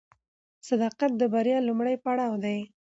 صداقت د بریا لومړی پړاو دی.